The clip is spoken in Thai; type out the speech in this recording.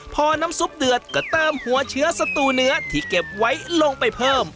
พอน้ำซุปเดือดก็เติมหัวเชื้อสตูเนื้อที่เก็บไว้ลงไปเพิ่ม